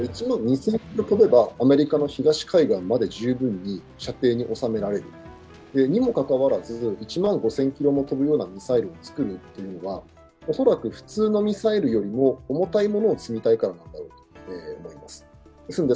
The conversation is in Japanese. １万２０００ｋｍ飛べばアメリカの東海岸まで十分射程に収められる、にもかかわらず、１万５０００ｋｍも飛ぶようなミサイルを作るというのは恐らく普通のミサイルよりも重たいものを積みたいからだと思います。